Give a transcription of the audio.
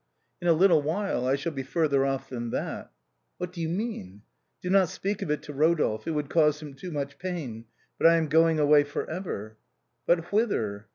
" In a little while I shall be further off than that." " What do you mean ?" "Do not speak of it to Eodolphe, it would cause him too much pain, but I am going away for ever." "But whither?"